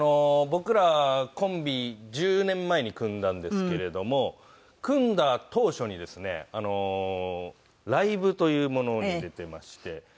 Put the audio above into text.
僕らコンビ１０年前に組んだんですけれども組んだ当初にですねライブというものに出ていまして。